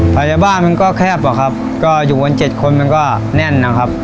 ภายในบ้านมันก็แคบหรอกครับก็อยู่กันเจ็ดคนมันก็แน่นนะครับ